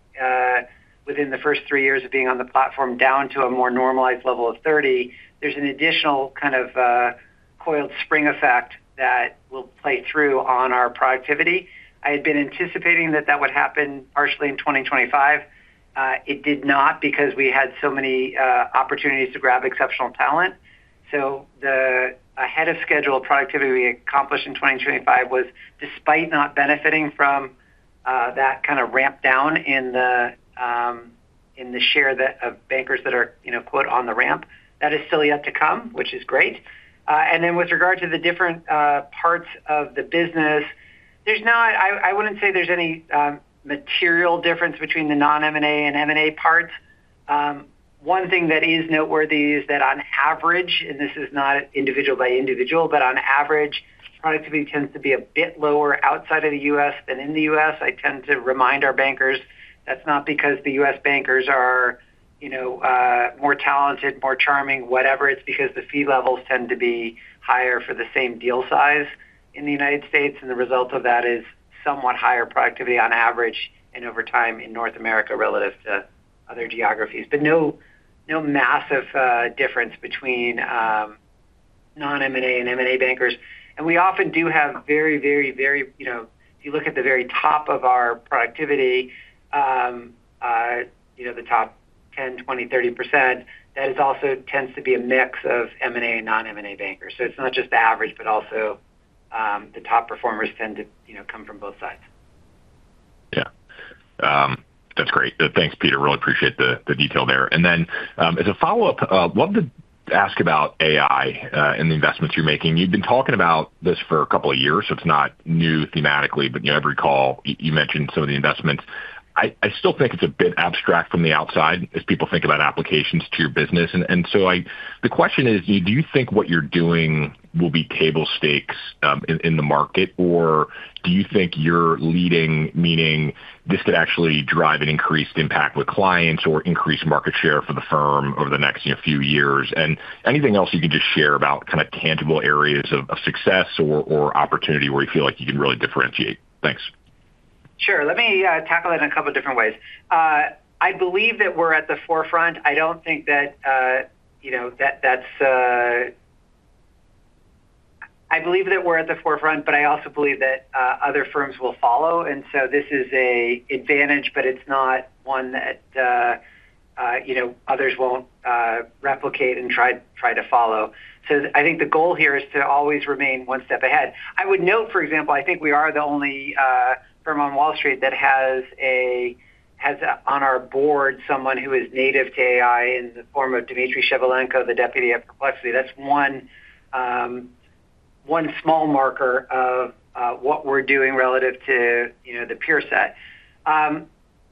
within the first three years of being on the platform down to a more normalized level of 30, there's an additional kind of coiled spring effect that will play through on our productivity. I had been anticipating that that would happen partially in 2025. It did not, because we had so many opportunities to grab exceptional talent. So the ahead-of-schedule productivity we accomplished in 2025 was despite not benefiting from that kind of ramp down in the share that of bankers that are, you know, quote, "On the ramp." That is still yet to come, which is great. And then with regard to the different parts of the business, there's not I, I wouldn't say there's any material difference between the non-M&A and M&A parts. One thing that is noteworthy is that on average, and this is not individual by individual, but on average, productivity tends to be a bit lower outside of the U.S. than in the U.S. I tend to remind our bankers that's not because the U.S. bankers are, you know, more talented, more charming, whatever. It's because the fee levels tend to be higher for the same deal size in the United States, and the result of that is somewhat higher productivity on average and over time in North America relative to other geographies. But no, no massive difference between non-M&A and M&A bankers. And we often do have very... You know, if you look at the very top of our productivity, you know, the top 10, 20, 30%, that is also tends to be a mix of M&A and non-M&A bankers. So it's not just the average, but also the top performers tend to, you know, come from both sides. Yeah. That's great. Thanks, Peter. Really appreciate the detail there. And then, as a follow-up, love to ask about AI and the investments you're making. You've been talking about this for a couple of years, so it's not new thematically, but you know, I recall you mentioned some of the investments. I still think it's a bit abstract from the outside as people think about applications to your business. And so, the question is, do you think what you're doing will be table stakes in the market, or do you think you're leading, meaning this could actually drive an increased impact with clients or increase market share for the firm over the next you know, few years? Anything else you can just share about kind of tangible areas of success or opportunity where you feel like you can really differentiate? Thanks. Sure. Let me tackle it in a couple of different ways. I believe that we're at the forefront. I don't think that, you know, that that's... I believe that we're at the forefront, but I also believe that other firms will follow, and so this is a advantage, but it's not one that, you know, others won't replicate and try to follow. So I think the goal here is to always remain one step ahead. I would note, for example, I think we are the only firm on Wall Street that has on our board someone who is native to AI in the form of Dmitry Shevelenko, the deputy of Perplexity. That's one small marker of what we're doing relative to, you know, the peer set.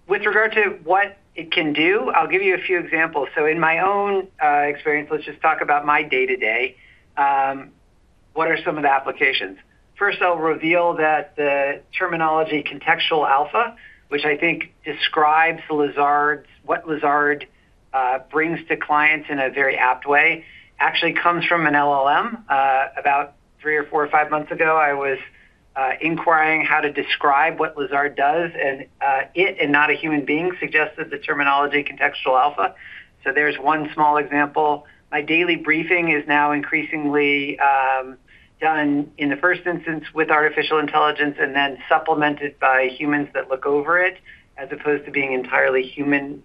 With regard to what it can do, I'll give you a few examples. So in my own experience, let's just talk about my day-to-day. What are some of the applications? First, I'll reveal that the terminology Contextual Alpha, which I think describes Lazard's—what Lazard brings to clients in a very apt way, actually comes from an LLM. About 3 or 4 or 5 months ago, I was inquiring how to describe what Lazard does, and it, and not a human being, suggested the terminology Contextual Alpha. So there's one small example. My daily briefing is now increasingly done in the first instance with artificial intelligence, and then supplemented by humans that look over it, as opposed to being entirely human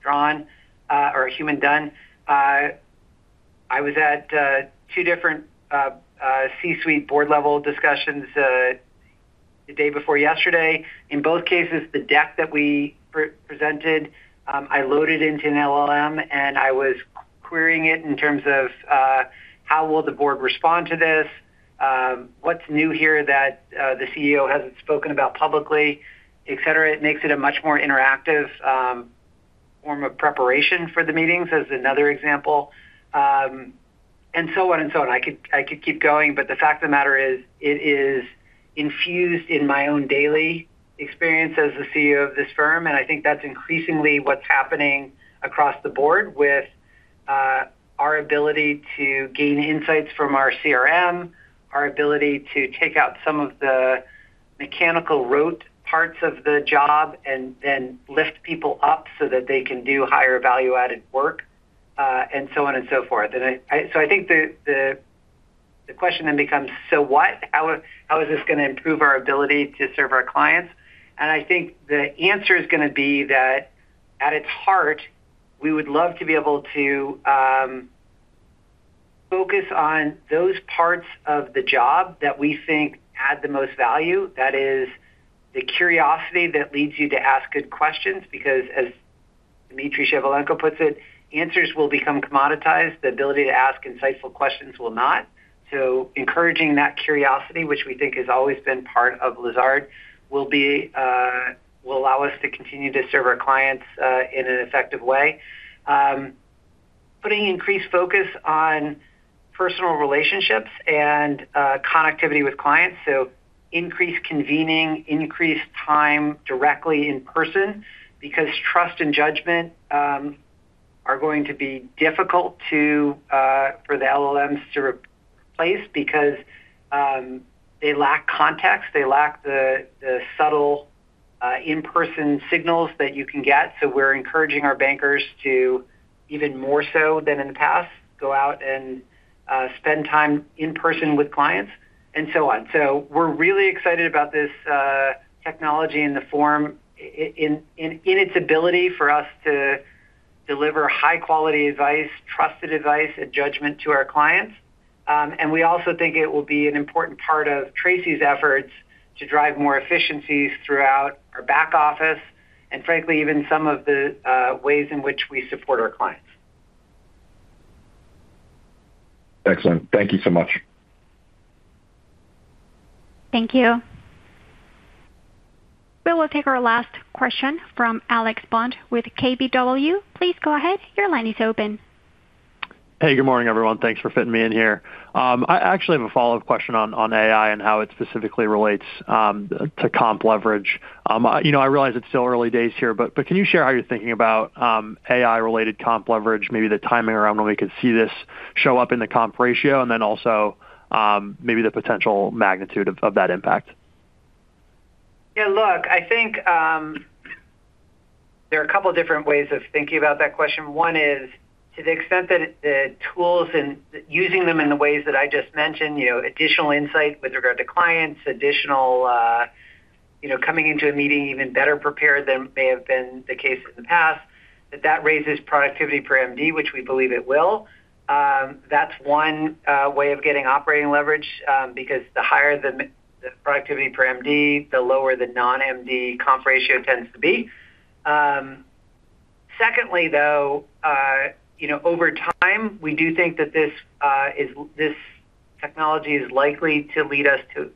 drawn or human done. I was at two different C-suite board-level discussions the day before yesterday. In both cases, the deck that we pre-presented, I loaded into an LLM, and I was querying it in terms of how will the board respond to this? What's new here that the CEO hasn't spoken about publicly, et cetera. It makes it a much more interactive form of preparation for the meetings, as another example, and so on and so on. I could, I could keep going, but the fact of the matter is, it is infused in my own daily experience as the CEO of this firm, and I think that's increasingly what's happening across the board with our ability to gain insights from our CRM, our ability to take out some of the mechanical rote parts of the job, and then lift people up so that they can do higher value-added work, and so on and so forth. So I think the question then becomes, so what? How is this going to improve our ability to serve our clients? And I think the answer is gonna be that at its heart, we would love to be able to focus on those parts of the job that we think add the most value. That is, the curiosity that leads you to ask good questions, because as Dmitry Shevelenko puts it, "Answers will become commoditized. The ability to ask insightful questions will not." So encouraging that curiosity, which we think has always been part of Lazard, will be, will allow us to continue to serve our clients, in an effective way. Putting increased focus on personal relationships and, connectivity with clients, so increased convening, increased time directly in person, because trust and judgment, are going to be difficult to, for the LLMs to replace because, they lack context, they lack the subtle, in-person signals that you can get. So we're encouraging our bankers to, even more so than in the past, go out and, spend time in person with clients, and so on. So we're really excited about this, technology in the form... In its ability for us to deliver high-quality advice, trusted advice, and judgment to our clients. We also think it will be an important part of Tracy's efforts to drive more efficiencies throughout our back office, and frankly, even some of the ways in which we support our clients.... Excellent. Thank you so much. Thank you. We will take our last question from Alex Bond with KBW. Please go ahead. Your line is open. Hey, good morning, everyone. Thanks for fitting me in here. I actually have a follow-up question on AI and how it specifically relates to comp leverage. You know, I realize it's still early days here, but can you share how you're thinking about AI-related comp leverage, maybe the timing around when we could see this show up in the comp ratio, and then also maybe the potential magnitude of that impact? Yeah, look, I think, there are a couple of different ways of thinking about that question. One is, to the extent that the tools and using them in the ways that I just mentioned, you know, additional insight with regard to clients, additional, you know, coming into a meeting even better prepared than may have been the case in the past, that that raises productivity per MD, which we believe it will. That's one way of getting operating leverage, because the higher the productivity per MD, the lower the non-MD comp ratio tends to be. Secondly, though, you know, over time, we do think that this this technology is likely to lead us to,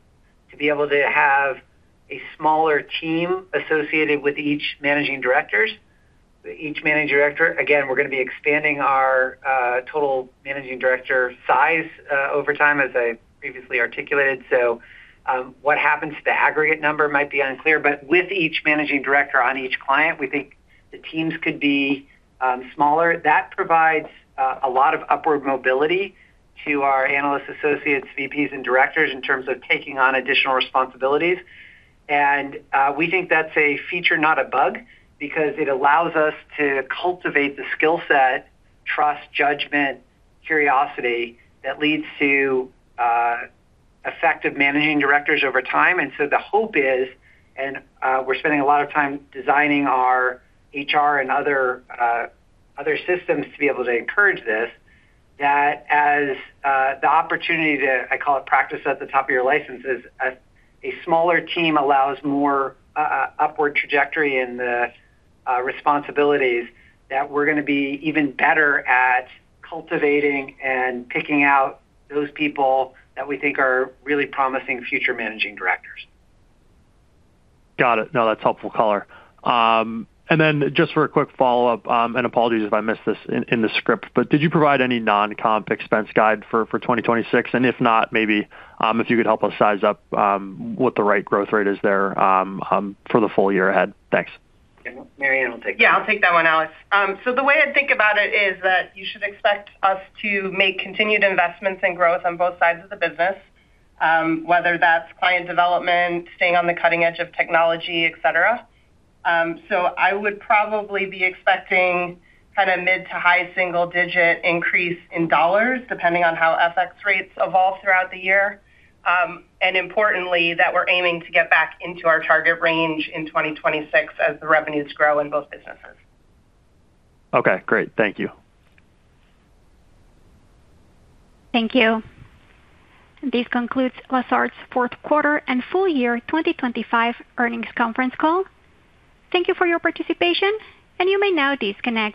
to be able to have a smaller team associated with each managing directors, each managing director. Again, we're going to be expanding our total managing director size over time, as I previously articulated. So, what happens to the aggregate number might be unclear, but with each managing director on each client, we think the teams could be smaller. That provides a lot of upward mobility to our analyst associates, VPs, and directors in terms of taking on additional responsibilities. We think that's a feature, not a bug, because it allows us to cultivate the skill set, trust, judgment, curiosity, that leads to effective managing directors over time. And so the hope is, and we're spending a lot of time designing our HR and other systems to be able to encourage this, that as the opportunity to, I call it, practice at the top of your license, a smaller team allows more upward trajectory in the responsibilities, that we're going to be even better at cultivating and picking out those people that we think are really promising future managing directors. Got it. No, that's helpful color. And then just for a quick follow-up, and apologies if I missed this in the script, but did you provide any non-comp expense guide for 2026? And if not, maybe if you could help us size up what the right growth rate is there for the full year ahead. Thanks. Ann will take that. Yeah, I'll take that one, Alex. So the way I think about it is that you should expect us to make continued investments and growth on both sides of the business, whether that's client development, staying on the cutting edge of technology, et cetera. So I would probably be expecting kind of mid- to high-single-digit increase in dollars, depending on how FX rates evolve throughout the year. And importantly, that we're aiming to get back into our target range in 2026 as the revenues grow in both businesses. Okay, great. Thank you. Thank you. This concludes Lazard's fourth quarter and full year 2025 earnings conference call. Thank you for your participation, and you may now disconnect.